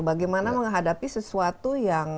bagaimana menghadapi sesuatu